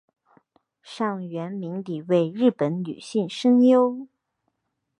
上原明里为日本女性声优。